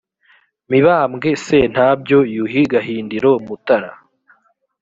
mibambwe sentabyo, yuhi gahindiro, mutara